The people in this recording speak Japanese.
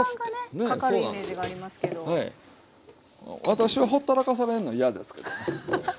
私はほったらかされるの嫌ですけどね。